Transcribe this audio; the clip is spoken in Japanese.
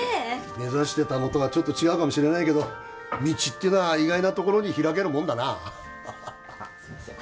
目指してたのとはちょっと違うかもしれないけど道ってのは意外なところにひらけるもんだなああっすいません